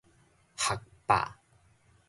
學霸